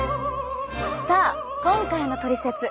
さあ今回のトリセツ！